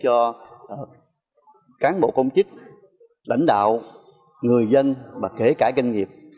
chúng ta sẽ giúp cho cán bộ công chức lãnh đạo người dân và kể cả doanh nghiệp